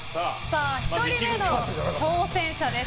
１人目の挑戦者です。